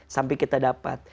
sampai kita dapat